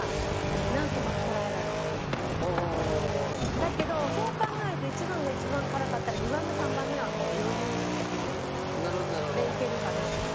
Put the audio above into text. だけどそう考えると１番が一番辛かったら２番目３番目はもう余裕でいけるかなと思って。